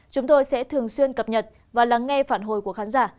chúng tôi sẽ thường xuyên cập nhật và lắng nghe phản hồi của khán giả